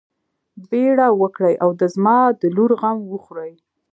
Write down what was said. بيړه وکړئ او د زما د لور غم وخورئ.